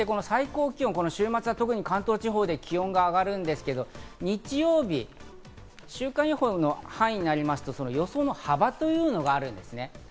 そしてこの最高気温、週末は特に関東地方で気温が上がるんですけど、日曜日、週間予報の範囲になりますと予想の幅というのがあるんですね。